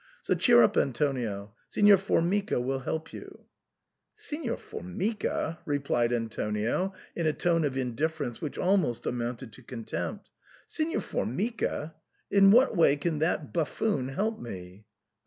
So cheer up, Antonio ; Signor Formica will help you." " Signor Formica ?" replied Antonio in a tone of in difference which almost amounted to contempt. " Sig nor Formica ! In what way can that buffoon help me